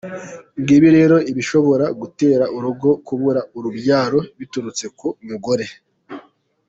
Ngibi rero ibishobora gutera urugo kubura urubyaro biturutse ku mugore.